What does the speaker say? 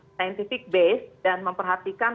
scientific based dan memperhatikan